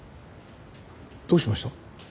どうしました？